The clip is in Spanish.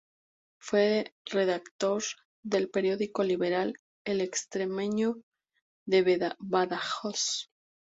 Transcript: Fue redactor del periódico liberal "El Extremeño" de Badajoz.